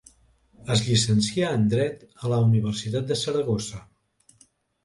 Es llicencià en dret a la Universitat de Saragossa.